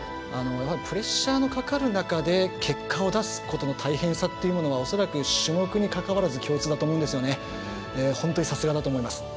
プレッシャーがかかる中で結果を出す大変さというものが種目に関わらず共通だと思いますが本当にさすがだと思います。